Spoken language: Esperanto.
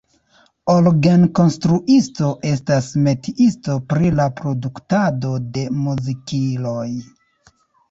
Orgenkonstruisto estas metiisto pri la produktado de muzikiloj.